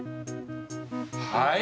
はい？